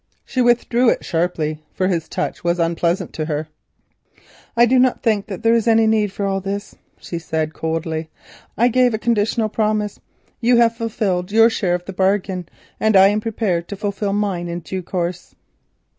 She withdrew it sharply. "I do not think that there is any need for all this," she said coldly. "I gave a conditional promise. You have fulfilled your share of the bargain, and I am prepared to fulfil mine in due course."